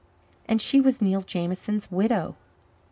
And she was Neil Jameson's widow!